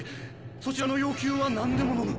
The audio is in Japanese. そちらの要求は何でものむ。